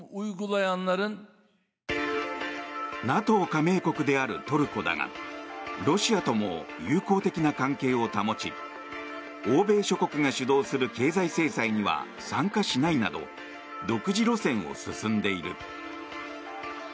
ＮＡＴＯ加盟国であるトルコだがロシアとも友好的な関係を保ち欧米諸国が主導する経済制裁には参加しないなど独自路線を進んでいる。